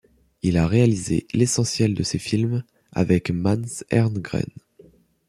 Il a réalisé l'essentiel de ses films avec Måns Herngren.